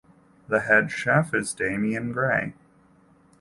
The head chef is Damien Grey.